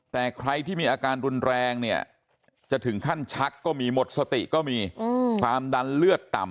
แต่ใครที่มีอาการรุนแรงเนี่ยจะถึงขั้นชักก็มีหมดสติก็มีความดันเลือดต่ำ